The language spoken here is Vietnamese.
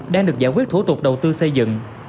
đang được giải quyết thủ tục đầu tư xây dựng